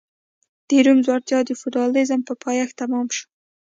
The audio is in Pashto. د روم ځوړتیا د فیوډالېزم په پایښت تمام شو.